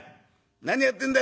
何やってんだ？